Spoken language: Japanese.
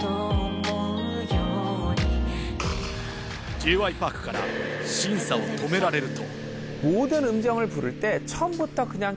Ｊ．Ｙ．Ｐａｒｋから審査を止められると。